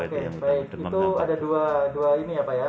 oke baik itu ada dua ini ya pak ya